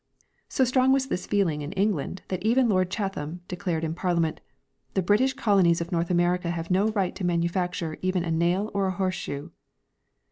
So strong was this feeling in England that even Lord Chatham declared in Parliament, " The British colonies of North America have no right to manufacture even a nail or a horseshoe."